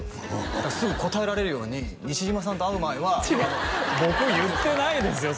だからすぐ答えられるように西島さんと会う前は違う僕言ってないですよ